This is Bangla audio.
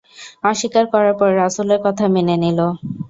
অস্বীকার করার পর রাসূলের কথা মেনে নিল।